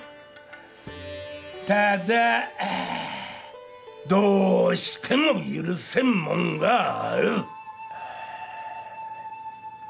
ただどうしても許せんもんがある。